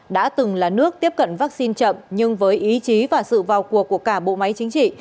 đã từng là nước tiếp cận vaccine chậm nhưng với ý chí và sự vào cuộc của cả bộ máy chính trị